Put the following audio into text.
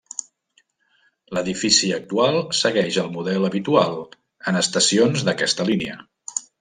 L'edifici actual segueix el model habitual en estacions d'aquesta línia.